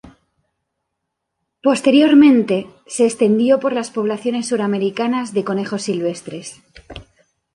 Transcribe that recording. Posteriormente se extendió por las poblaciones suramericanas de conejos silvestres.